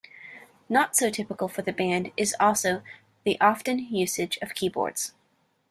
Not so typical for the band is also the often usage of keyboards.